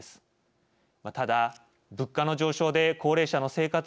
ただ物価の上昇で高齢者の生活は厳しさを増しています。